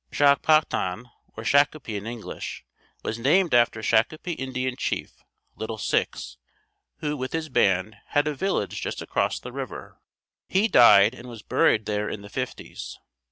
Shah kpa dan, or Shakopee in English, was named after Shakopee Indian Chief, (Little Six), who with his band, had a village just across the river. He died and was buried there in the fifties.